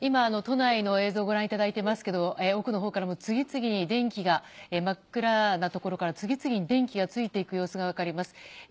都内の映像をご覧いただいていますが奥のほう電気が真っ暗なところから次々に電気がついていく様子が分かります。